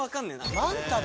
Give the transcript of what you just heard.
マンタだ。